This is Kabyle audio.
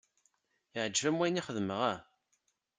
Yeɛǧb-am wayen i xedmeɣ ah?